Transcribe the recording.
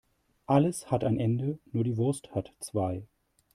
Alles hat ein Ende, nur die Wurst hat zwei.